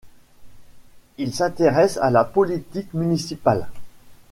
Il s’intéresse à la politique municipale.